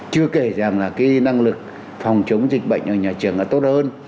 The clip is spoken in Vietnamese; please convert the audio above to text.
chưa kể rằng là cái năng lực phòng chống dịch bệnh ở nhà trường đã tốt hơn